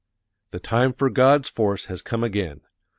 The time for God's force has come again.